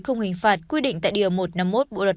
không hình phạt quy định tại điều một trăm năm mươi một bộ luật